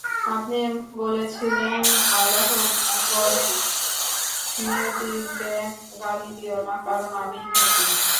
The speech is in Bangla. আপনি বলেছিলেন, আল্লাহ বলেন, নিয়তিকে গালি দিও না, কারণ আমিই নিয়তি।